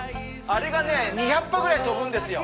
あれがね２００羽ぐらい飛ぶんですよ。